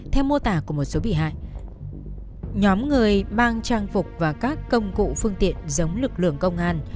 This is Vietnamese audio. theo mô tả của một số bị hại nhóm người mang trang phục và các công cụ phương tiện giống lực lượng công an